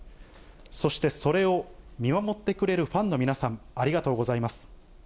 そして、それを見守ってくれるファンの皆さん、ありがとうございます。